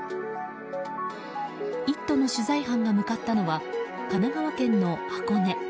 「イット！」の取材班が向かったのは、神奈川県の箱根。